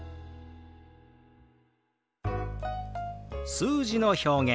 数字の表現